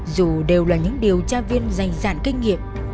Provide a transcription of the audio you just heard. dù đều là những điều tra viên dày dạn kinh nghiệm